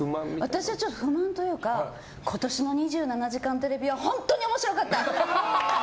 私は不満というか今年の「２７時間テレビ」は本当に面白かった！